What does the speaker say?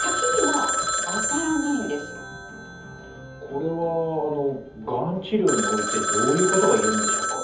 これはがん治療においてどういうことが言えるんでしょうか？